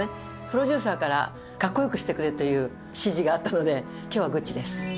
プロデューサーからカッコよくしてくれという指示があったので今日はグッチです